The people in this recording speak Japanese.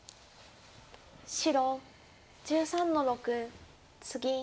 白１３の六ツギ。